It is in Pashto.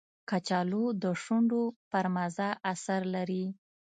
کچالو د شونډو پر مزه اثر لري